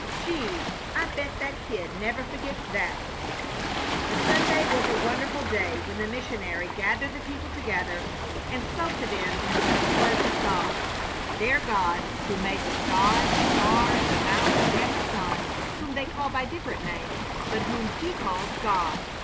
"Gee! I bet that kid never forgets that!" The Sunday was a wonderful day, when the missionary gathered the people together and spoke to them in simple words of God their god who made the sky, the stars, the mountains, and the sun, whom they call by different names, but whom He called God.